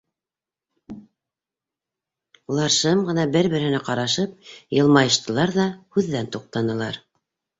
Улар шым ғына бер-береһенә ҡарашып йылмайыштылар ҙа һүҙҙән туҡтанылар.